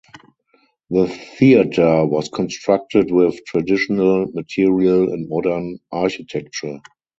The theatre was constructed with traditional material and modern architecture.